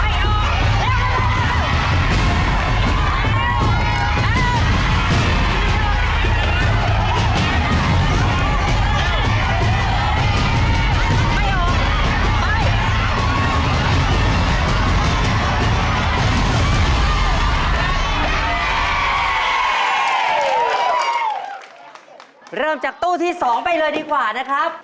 ใจเย็นแล้วป้าสมาธิดีครับ